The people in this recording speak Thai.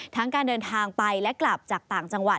การเดินทางไปและกลับจากต่างจังหวัด